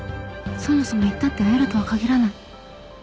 そもそも行ったって会えるとは限らない